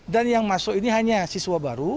dan yang masuk ini hanya siswa baru